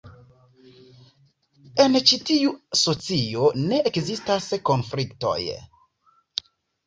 En ĉi tiu socio ne ekzistas konfliktoj.